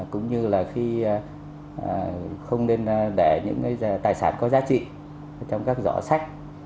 cũng như là khi không nên để những tài sản có giá trị trong các giỏ sách